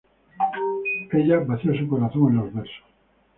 Ella vació su corazón en los versos.